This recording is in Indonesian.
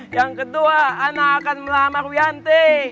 yang kedua ana akan melamar wianti